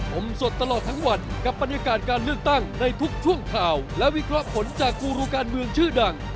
ผมสดตลอดทั้งวันกับบรรยากาศการเลือกตั้งในทุกช่วงข่าวและวิเคราะห์ผลจากกูรูการเมืองชื่อดัง